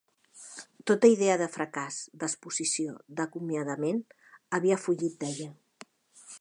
Tota idea de fracàs, d'exposició, d'acomiadament havia fugit d'ella.